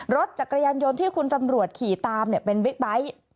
รถจักรยานยนต์ที่คุณตำรวจขี่ตามเป็นบิ๊กไบท์